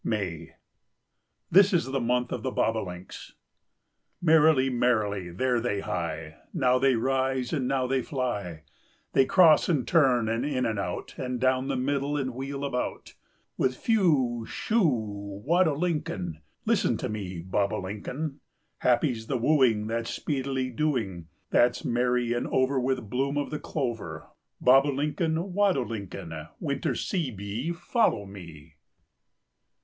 May. This is the month of the Bobolinks. "Merrily, merrily, there they hie; Now they rise and now they fly; They cross and turn and in and out, And down the middle and wheel about, With 'Phew, shew, Wadolincoln; listen to me Bobolincoln!' Happy's the wooing that's speedily doing, That's merry and over with bloom of the clover, Bobolincoln, Wadolincoln, Winterseebee, follow me."